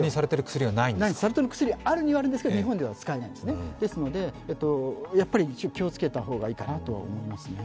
サル痘の薬、あるにはあるんですけど、日本では使えない、ですのでやっぱり気をつけた方がいいかなと思いますね。